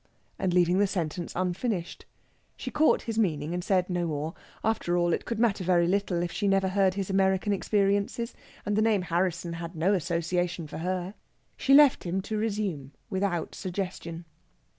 and leaving the sentence unfinished. She caught his meaning, and said no more. After all, it could matter very little if she never heard his American experiences, and the name Harrisson had no association for her. She left him to resume, without suggestion.